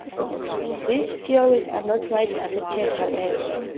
These theories are not widely accepted, however.